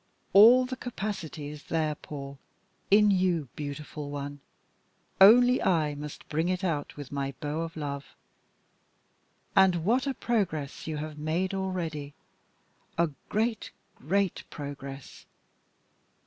All the capacity is there, Paul, in you, beautiful one only I must bring it out with my bow of love! And what a progress you have made already a great, great progress.